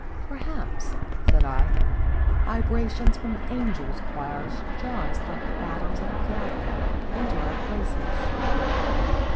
"Perhaps," said I, " vibrations from angels' choirs jar us like the atoms of Chladni, into our places."